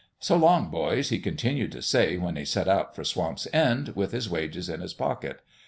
" So long, boys !" he continued to say, when he set out for Swamp's End, with his wages in his pocket.